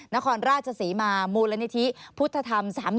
นครราชศรีมามูลนิธิพุทธธรรม๓๑